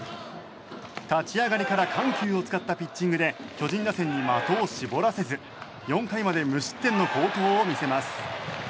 立ち上がりから緩急を使ったピッチングで巨人打線に的を絞らせず４回まで無失点の好投を見せます。